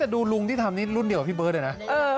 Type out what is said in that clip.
แต่ดูลุงที่ทำนี่รุ่นเดียวกับพี่เบิร์ตเลยนะ